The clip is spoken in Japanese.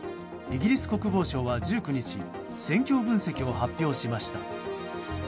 イギリス国防省は１９日戦況分析を発表しました。